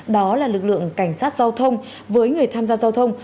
đó là lực lượng cảnh sát giao thông với người tham gia giao thông